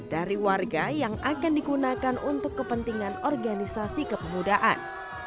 dari warga yang akan digunakan untuk kepentingan organisasi kepemudaan